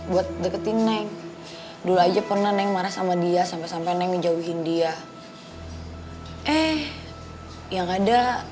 buat deketin neng dulu aja pernah neng marah sama dia sampai sampai nengjauhin dia eh yang ada